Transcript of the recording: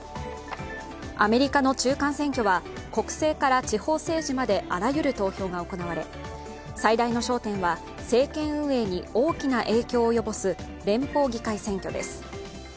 アメリカの中間選挙は国政から地方政治まであらゆる投票が行われ最大の焦点は政権運営に大きな影響を及ぼす連邦議会選挙です。